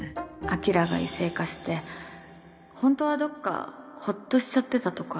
晶が異性化してホントはどっかほっとしちゃってたとこある